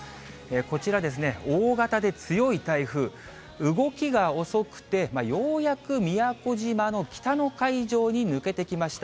こちら、大型で強い台風、動きが遅くて、ようやく宮古島の北の海上に抜けてきました。